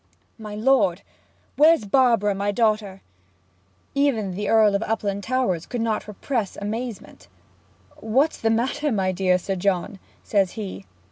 'My lord where's Barbara my daughter?' Even the Earl of Uplandtowers could not repress amazement. 'What's the matter, my dear Sir John,' says he.